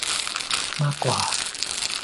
มากกว่า